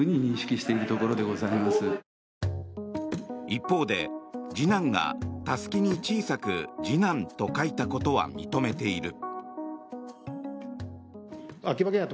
一方で、次男がたすきに小さく次男と書いたことは認めている。